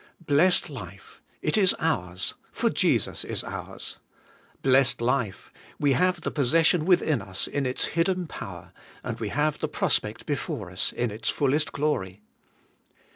Blessed life ! it is ours, for Jesus is ours. Blessed 236 ABIDE IN CHRIST: life! we have the possession within us in its hidden power, and we have the prospect before us in its fullest glory.